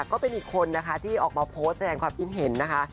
ก็เป็นอีกคนนะคะที่ออกมาโพสต์แสดงความคิดเห็นนะคะ